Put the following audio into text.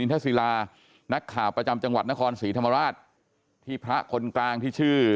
ทศิลานักข่าวประจำจังหวัดนครศรีธรรมราชที่พระคนกลางที่ชื่อ